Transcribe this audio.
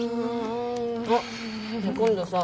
あっ今度さ